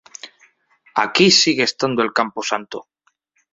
Aquí sigue estando el camposanto.